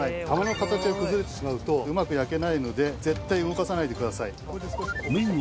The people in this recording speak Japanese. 球の形が崩れてしまうとうまく焼けないので絶対動かさないでください。